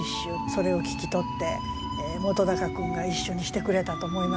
それを聞き取って本君が一首にしてくれたと思いますね。